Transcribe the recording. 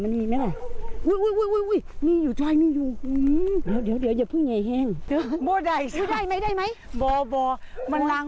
นี่พี่น้อกูก็บอเปันภาคกูเพาให้มดแดง